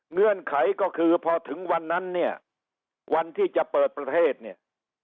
เงื่อนไขก็คือพอถึงวันนั้นเนี่ยวันที่จะเปิดประเทศเนี่ย